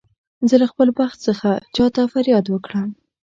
زه له خپل بخت څخه چا ته فریاد وکړم.